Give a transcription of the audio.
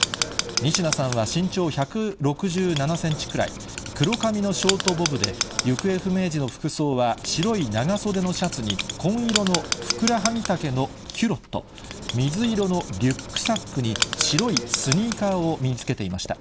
仁科さんは身長１６７センチくらい、黒髪のショートボブで、行方不明時の服装は、白い長袖のシャツに、紺色のふくらはぎ丈のキュロット、水色のリュックサックに、白いスニーカーを身につけていました。